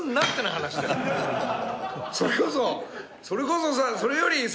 それこそそれより。